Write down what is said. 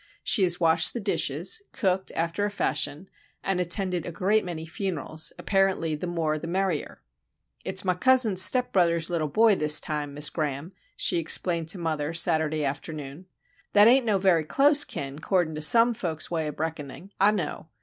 She has washed the dishes, cooked, after a fashion, and attended a great many funerals,—apparently the more the merrier. "It's ma cousin's step brudder's lil' boy, dis time, Mis' Graham," she explained to mother, Saturday afternoon. "That ain' no very close kin, 'cordin' to some folks' way ob reckonin', Ah know.